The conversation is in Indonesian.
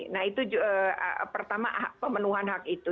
nah itu pertama pemenuhan hak itu